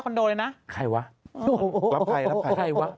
ของข้างคนนี้นะ